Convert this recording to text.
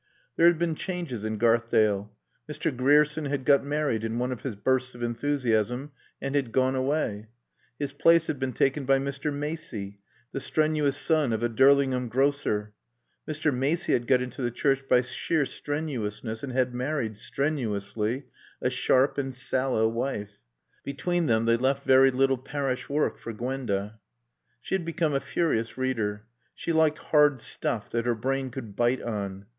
There had been changes in Garthdale. Mr. Grierson had got married in one of his bursts of enthusiasm and had gone away. His place had been taken by Mr. Macey, the strenuous son of a Durlingham grocer. Mr. Macey had got into the Church by sheer strenuousness and had married, strenuously, a sharp and sallow wife. Between them they left very little parish work for Gwenda. She had become a furious reader. She liked hard stuff that her brain could bite on.